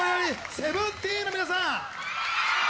ＳＥＶＥＮＴＥＥＮの皆さん